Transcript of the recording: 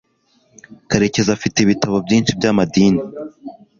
karekezi afite ibitabo byinshi by'amadini